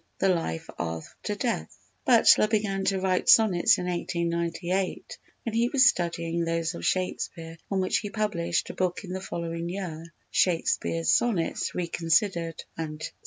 The Life after Death Butler began to write sonnets in 1898 when he was studying those of Shakespeare on which he published a book in the following year. (Shakespeare's Sonnets Reconsidered, _&c.